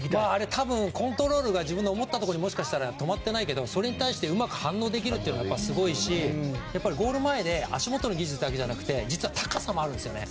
多分コントロールが自分の思ったところにもしかしたら止まってないけどそれに対してうまく反応できるのすごいし、ゴール前で足元の技術だけじゃなくて実は高さもあるんですよね。